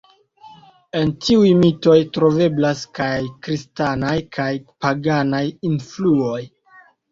En tiuj mitoj troveblas kaj kristanaj kaj paganaj influoj.